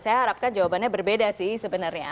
saya harapkan jawabannya berbeda sih sebenarnya